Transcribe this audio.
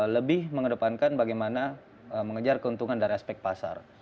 lebih mengedepankan bagaimana mengejar keuntungan dari aspek pasar